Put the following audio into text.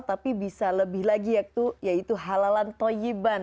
tapi bisa lebih lagi yaitu halalan toyiban